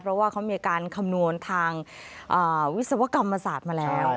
เพราะว่าเขามีการคำนวณทางวิศวกรรมศาสตร์มาแล้ว